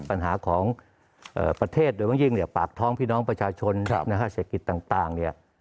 ปัญหาของประเทศโดยบางยิ่งเนี่ยปากท้องพี่น้องประชาชนเศรษฐกิจต่างเนี่ย